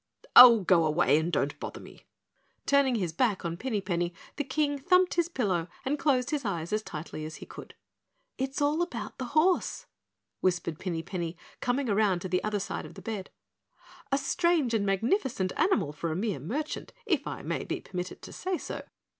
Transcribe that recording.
"Oh, go away and don't bother me." Turning his back on Pinny Penny, the King thumped his pillow and closed his eyes as tightly as he could. "It's all about the horse," whispered Pinny Penny, coming around to the other side of the bed. "A strange and magnificent animal for a mere merchant, if I may be permitted to say so.